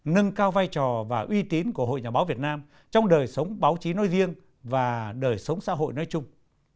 nâng cao vai trò và uy tín của hội nhà báo việt nam trong đời sống báo chí nói riêng và đời sống xã hội nói chung